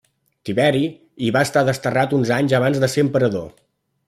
Tiberi hi va estar desterrat uns anys abans de ser emperador.